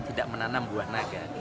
tidak menanam buah naga